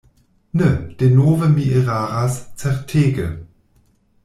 Ne, denove mi eraras, certege.